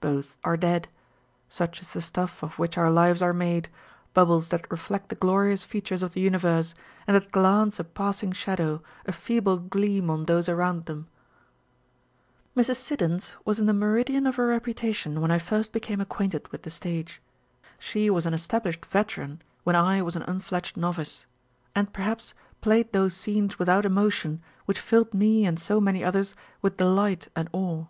Both are dead. Such is the stuff of which our lives are made â€" bubbles that reflect the glorious featur.es of the universe, and that glance a passing shadow, a feeble gleam, on those around them ! Mrs. Siddons was in the meridian of her reputation when I first became acquainted with the stage. She was an established veteran when I was an unfledged novice ; and, perhaps, played those scenes without emotion which filled me and so many others with delight and awe.